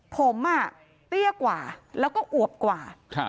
ผมเตี้ยกว่าแล้วก็อวบกว่า